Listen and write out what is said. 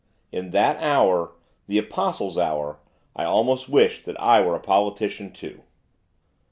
In that hour, the Apostle's hour! I almost wished that I were a politician too!